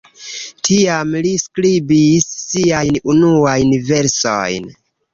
Tiam li skribis siajn unuajn versojn.